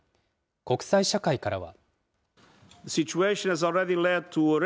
国際社会からは。